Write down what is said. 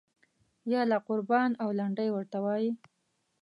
یاله قربان او لنډۍ ورته وایي.